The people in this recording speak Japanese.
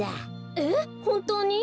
えっほんとうに？